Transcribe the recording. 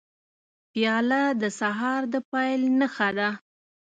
پیاله د سهار د پیل نښه ده.